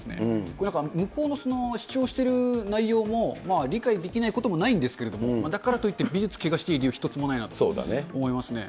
これなんか、向こうの主張している内容も、理解できないこともないんですけれども、だからといって美術をけがしていい理由は一つもないと思いますね。